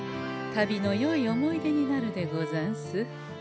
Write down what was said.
旅のよい思い出になるでござんす。